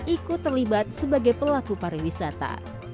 ikut terlibat sebagai pelaku pariwisata